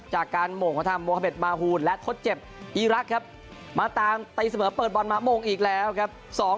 จากการหม่งของทางโมฮาเด็ดมาฮูนและทดเจ็บอีรักษ์ครับมาตามตีเสมอเปิดบอลมาโมงอีกแล้วครับ